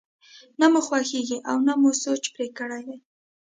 نه مو خوښېږي او نه مو سوچ پرې کړی دی.